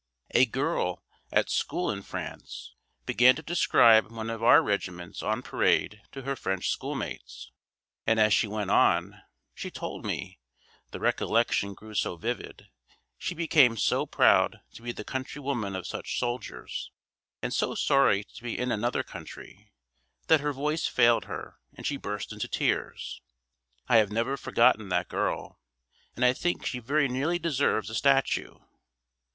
A girl, at school in France, began to describe one of our regiments on parade to her French schoolmates; and as she went on, she told me, the recollection grew so vivid, she became so proud to be the countrywoman of such soldiers, and so sorry to be in another country, that her voice failed her and she burst into tears. I have never forgotten that girl; and I think she very nearly deserves a statue.